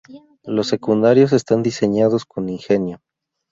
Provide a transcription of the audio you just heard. Los secundarios están diseñados con ingenio.